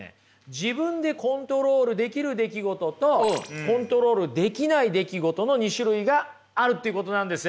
自分でコントロールできる出来事とコントロールできない出来事の２種類があるっていうことなんです。